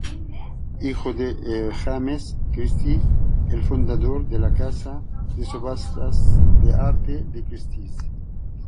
Hijo de James Christie, el fundador de la casa de subastas de arte Christie's.